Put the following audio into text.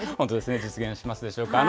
実現しますでしょうか。